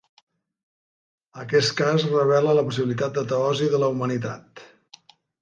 Aquest cas revela la possibilitat de teosi de la humanitat.